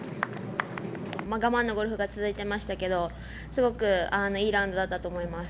我慢のゴルフが続いてましたけど、すごくいいラウンドだったと思います。